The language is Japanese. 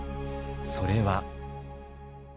それは。